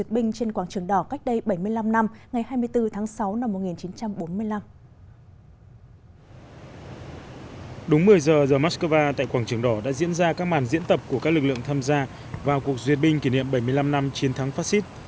bây giờ the moscow tại quảng trường đỏ đã diễn ra các màn diễn tập của các lực lượng tham gia vào cuộc duyệt binh kỷ niệm bảy mươi năm năm chiến thắng fascist